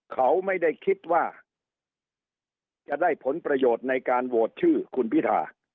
เขาไม่ได้คิดว่าจะได้ผลประโยชน์ในการโหวตชื่อคุณพิธา